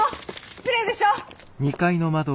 失礼でしょ！